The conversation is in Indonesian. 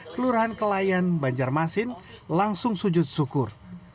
kelurahan kelayan banjarmasin langsung sujud syukur